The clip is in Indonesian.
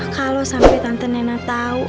kalau sampai tante nena tahu